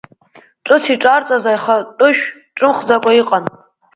Ҿыц иҿарҵаз аихатәышә ҿыхӡамкәа иҟан.